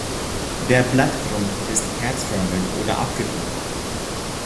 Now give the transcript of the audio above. Der Blattgrund ist herzförmig oder abgerundet.